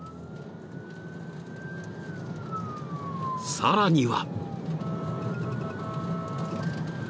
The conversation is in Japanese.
［さらには］